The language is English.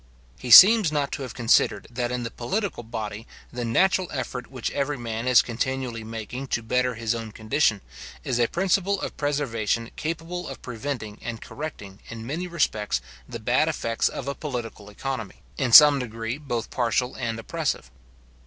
He seems not to have considered, that in the political body, the natural effort which every man is continually making to better his own condition, is a principle of preservation capable of preventing and correcting, in many respects, the bad effects of a political economy, in some degree both partial and oppressive.